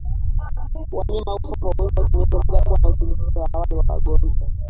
Wanyama hufa kwa ugonjwa wa kimeta bila kuwa na uthibitisho wa awali wa ugonjwa